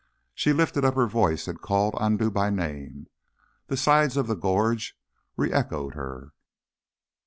She lifted up her voice and called Andoo by name. The sides of the gorge re echoed her.